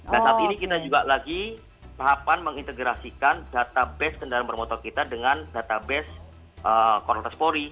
dan saat ini kita juga lagi tahapan mengintegrasikan database kendaraan bermotor kita dengan database kontrol motor